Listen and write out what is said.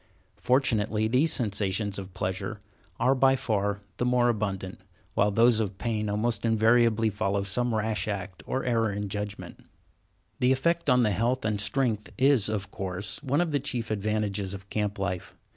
Fortunately, the sensations of pleasure are by far the more abundant, while those of pain almost invariably follow some rash act or error in judgment. The effect on the health and strength is, of course, one of the chief advantages of camp life.